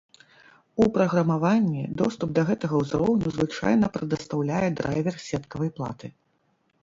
У праграмаванні, доступ да гэтага узроўню звычайна прадастаўляе драйвер сеткавай платы.